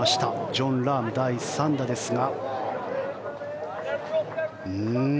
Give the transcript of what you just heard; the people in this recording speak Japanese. ジョン・ラーム、第３打ですが。